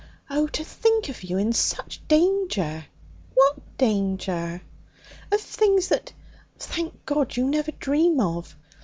Oh, to think of you in such danger!' 'What danger?' 'Of things that, thank God, you never dream of.